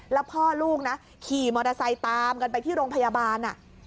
แล้วพ่อลูกนะขี่มอเตอร์ไซค์ตามกันไปที่โรงพยาบาล